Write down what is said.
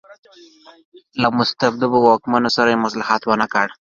له مستبدو واکمنو سره یې مصلحت ونکړ.